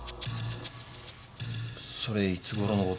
それいつごろのこと？